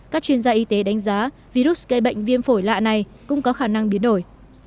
các chuyên gia y tế đánh giá virus gây bệnh viêm phổi lạ này cũng có khả năng biến đổi